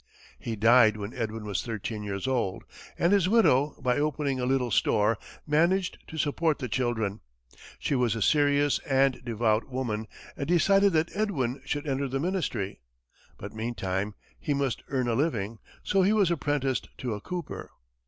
He died when Edwin was thirteen years old, and his widow, by opening a little store, managed to support the children. She was a serious and devout woman and decided that Edwin should enter the ministry. But meantime, he must earn a living, so he was apprenticed to a cooper.